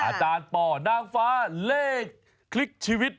อาจารย์ปอนางฟ้าเลขคลิกชีวิต